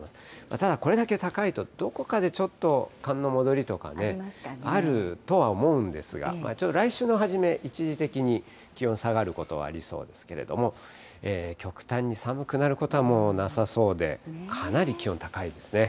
ただこれだけ高いと、どこかでちょっと寒の戻りとかね、あるとは思うんですが、ちょっと来週の初め、一時的に気温下がることはありそうですけれども、極端に寒くなることはもうなさそうで、かなり気温高いですね。